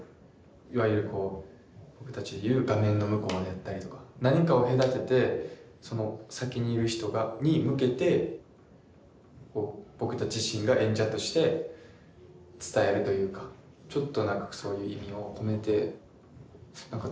いわゆるこう僕たちで言う画面の向こうやったりとか何かを隔ててその先にいる人に向けて僕たち自身が演者として伝えるというかちょっと何かそういう意味を込めて作れたらなって思います。